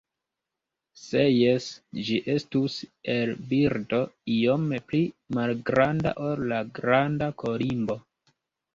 Se jes, ĝi estus el birdo iome pli malgranda ol la Granda kolimbo.